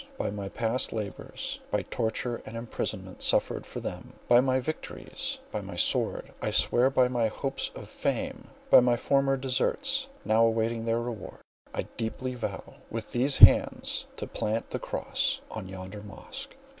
By my past labours, by torture and imprisonment suffered for them, by my victories, by my sword, I swear—by my hopes of fame, by my former deserts now awaiting their reward, I deeply vow, with these hands to plant the cross on yonder mosque!"